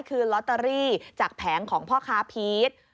คือลอตเตอรี่จากแผงของพ่อค้าพีช